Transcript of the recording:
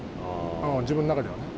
自分の中ではね。